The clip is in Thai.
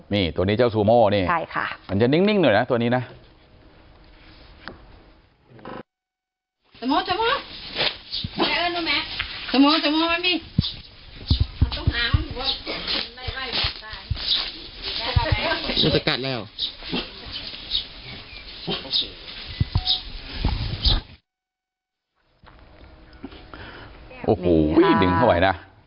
นี่ตัวนี้เจ้าซูโม่นี่มันจะนิ่งหน่อยนะตัวนี้นะ